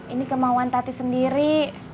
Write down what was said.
ini kemauan tati sendiri